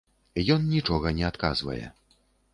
Ён нічога не адказвае.